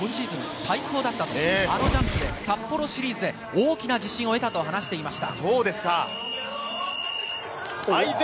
小林陵侑は昨日の２回目のジャンプは今シーズン最高だった、あのジャンプで札幌シリーズで大きな自信を得たと話していました。